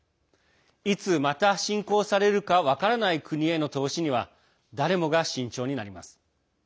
いつ、また侵攻されるか分からない国への投資には誰もが慎重になります。